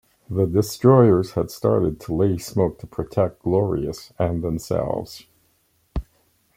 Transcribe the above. The destroyers had started to lay smoke to protect "Glorious" and themselves.